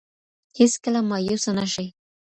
هيڅکله مايوسه نشئ